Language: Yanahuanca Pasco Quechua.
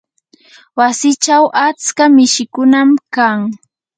wasichaw atska mishikunam kan.